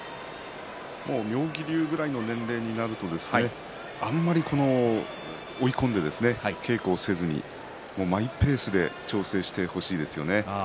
妙義龍くらいの年齢になるとあまり追い込んで稽古をせずにマイペースで調整してほしいですよね。